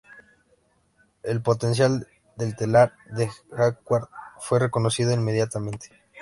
El potencial del telar de Jacquard fue reconocido inmediatamente.